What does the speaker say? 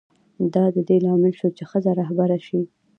دا د دې لامل شو چې ښځه رهبره شي.